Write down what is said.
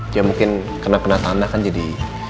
dia mungkin kena kena tanah kan jadi